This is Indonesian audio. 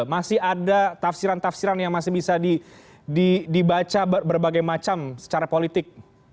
masih ada tafsiran tafsiran yang masih bisa dibaca berbagai macam secara politik